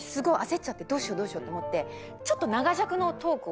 どうしようどうしようと思ってちょっと。